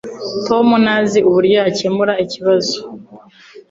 Tom ntazi uko yakemura iki kibazo.